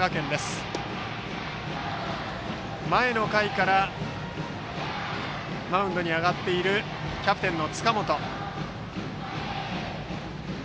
ピッチャーは前の回からマウンドに上がっているキャプテンの塚本。